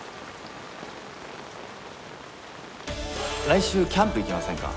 来週キャンプ行きませんか？